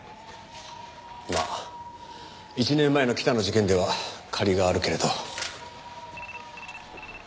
まあ１年前の北の事件では借りがあるけれど。